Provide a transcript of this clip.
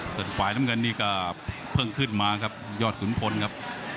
ส่วนฝ่ายน้ำเงินนี่ก็เพิ่งขึ้นมาครับยอดขุนพลครับ